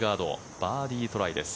バーディートライです